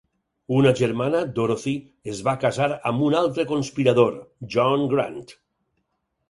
Una germana, Dorothy, es va casar amb un altre conspirador, John Grant.